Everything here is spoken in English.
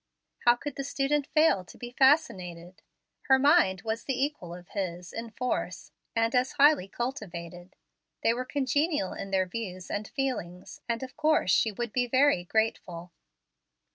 How could the student fail to be fascinated? Her mind was the equal of his in force, and as highly cultivated. They were congenial in their views and feelings, and of course she would be very grateful.